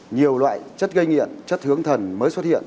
nhiều loại chất gây nghiện chất hướng thần mới xuất hiện